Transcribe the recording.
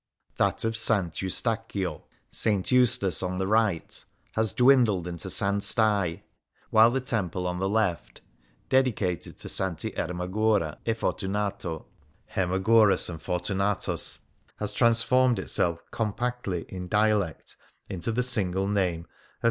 That of S. Eustacchio (St. Eustace), on the right, has dwindled into S. " Stae "; while the temple on the left, dedicated to SS. Ermagora e Fortunato (Hermagoras and Fortunatus) has transformed itself compactly in dialect into the single name of " S.